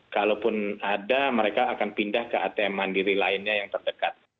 kalaupun ada mereka akan pindah ke atm mandiri lainnya yang terdekat